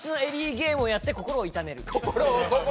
ゲームをやって心をいためる。